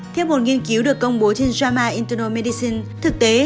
theo một nghiên cứu được công bố trên drama internal medicine thực tế